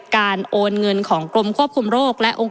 ประเทศอื่นซื้อในราคาประเทศอื่น